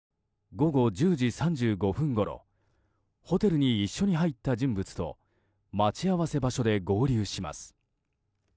午後１０時３５分ごろホテルに一緒に入った人物と待ち合わせ場所で合流します。